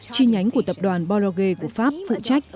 chi nhánh của tập đoàn boroge của pháp phụ trách